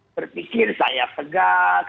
berpikir saya segar